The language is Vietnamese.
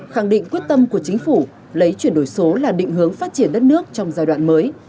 khẳng định quyết tâm của chính phủ lấy chuyển đổi số là định hướng phát triển đất nước trong giai đoạn mới